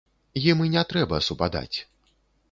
Ім і не трэба супадаць.